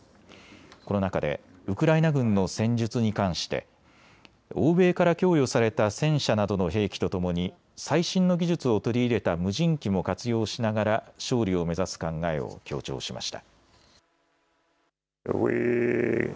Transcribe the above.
この中でウクライナ軍の戦術に関して欧米から供与された戦車などの兵器とともに最新の技術を取り入れた無人機も活用しながら勝利を目指す考えを強調しました。